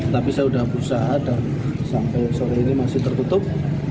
tapi saya sudah berusaha dan sampai sore ini masih tertutup